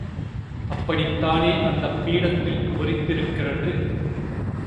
அப்படித் தானே அந்தப் பீடத்தில் பொறித்திருக்கிறது?